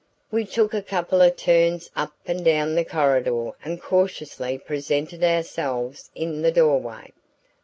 We took a couple of turns up and down the corridor and cautiously presented ourselves in the doorway.